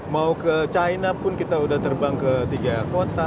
mau ke china pun kita sudah terbang ke tiga kota